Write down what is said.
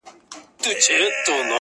• ما ستا لپاره په خزان کي هم کرل گلونه.